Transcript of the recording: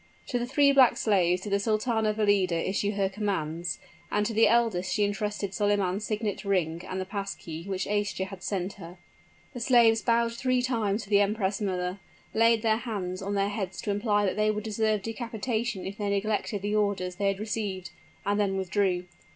To the three black slaves did the Sultana Valida issue her commands; and to the eldest she intrusted Solyman's signet ring and the pass key which Aischa had sent her. The slaves bowed three times to the empress mother laid their hands on their heads to imply that they would deserve decapitation if they neglected the orders they had received and then withdrew.